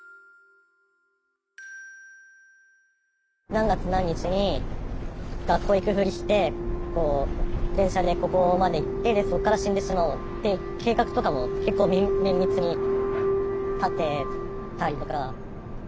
何月何日に学校行くふりして電車でここまで行ってでそこから死んでしまおうって計画とかも結構綿密に立てたりとか。